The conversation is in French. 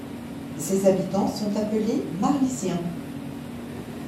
Ses habitants sont appelés Marlysiens.